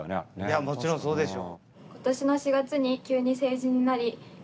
いやもちろんそうでしょ。